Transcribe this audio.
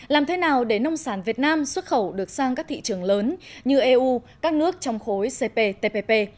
làm thế nào để nông sản việt nam xuất khẩu được sang các thị trường lớn như eu các nước trong khối cptpp